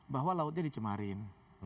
bahwa lautnya dicemarin